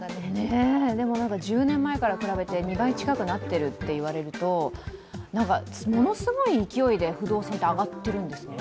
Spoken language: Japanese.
でも１０年前から比べて２倍近くになってると言われるとものすごい勢いで不動産って上がってるんですね。